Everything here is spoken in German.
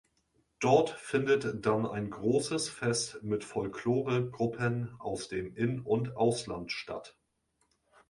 Dort findet dann ein großes Fest mit Folklore-Gruppen aus dem In- und Ausland statt.